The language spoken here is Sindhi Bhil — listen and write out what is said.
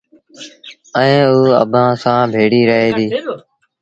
ائيٚݩٚ اوٚ اڀآنٚ سآݩٚ ڀيڙيٚ رهي ديٚ